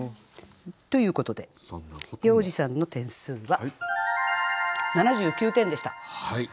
ということで要次さんの点数は７９点でした。